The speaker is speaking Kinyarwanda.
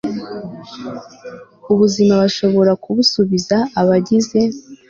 ubuzima bashobora kubisubiza Abagize